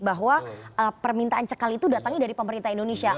bahwa permintaan cekal itu datangnya dari pemerintah indonesia